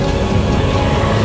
aku mau ke rumah